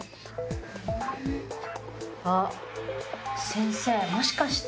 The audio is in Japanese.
先生もしかして。